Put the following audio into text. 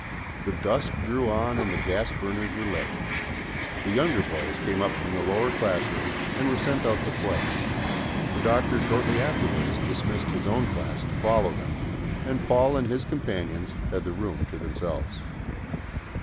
The dusk drew on and the gas burners were lit. The younger boys came up from the lower class room and were sent out to play; the Doctor shortly afterwards dismissed his own class to follow them, and Paul and his companions had the room to themselves.